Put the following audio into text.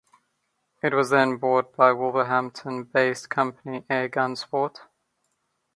It was then bought by Wolverhampton-based company Airgunsport.